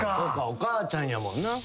お母ちゃんやもんな。